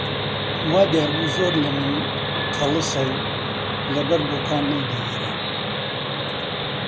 وا دیار بوو زۆر لە من قەڵسە و لەبەر بۆکان نەیدەوێرا